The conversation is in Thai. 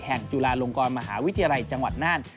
จุฬาลงกรมหาวิทยาลัยจังหวัดน่าน